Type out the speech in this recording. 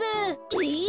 えっ！？